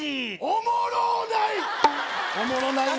おもろうない！